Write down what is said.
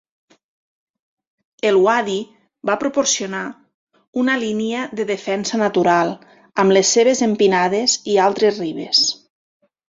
El uadi va proporcionar una línia de defensa natural amb les seves empinades i altes ribes.